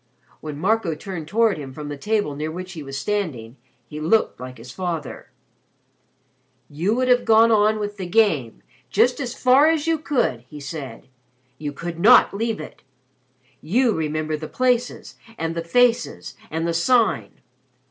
When Marco turned toward him from the table near which he was standing, he looked like his father. "You would have gone on with the Game just as far as you could," he said. "You could not leave it. You remember the places, and the faces, and the Sign.